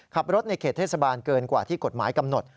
ขับรถในเขตเทศบาลเกินกว่าที่กฎหมายกำหนด